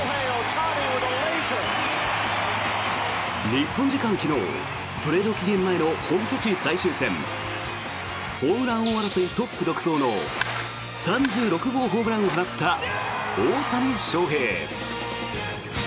日本時間昨日トレード期限前の本拠地最終戦ホームラン王争いトップ独走の３６号ホームランを放った大谷翔平。